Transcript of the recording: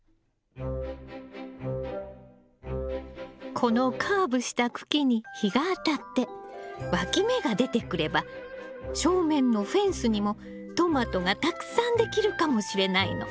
このカーブした茎に日が当たってわき芽が出てくれば正面のフェンスにもトマトがたくさんできるかもしれないの。